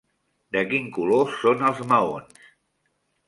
De quin color són els maons?